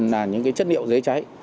là những cái chất liệu giấy cháy